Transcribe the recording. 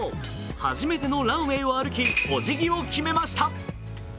初めてのランウェイを歩きお辞儀を決めました。